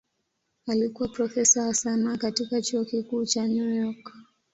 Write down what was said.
Alikuwa profesa wa sanaa katika Chuo Kikuu cha New York.